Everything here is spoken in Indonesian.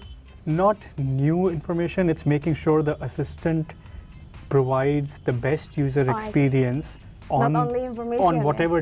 bukan informasi baru tapi memastikan asisten memperoleh pengalaman pengguna terbaik